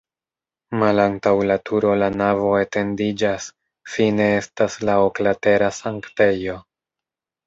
Malantaŭ la turo la navo etendiĝas, fine estas la oklatera sanktejo.